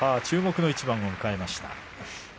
注目の一番を迎えました。